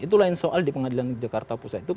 itu lain soal di pengadilan jakarta pusat itu